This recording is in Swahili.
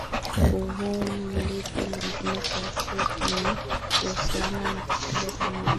uhuum lipi lingine kwa ufupi tu ni kuhusiana na kutajwa kwa mwana